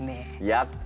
やった！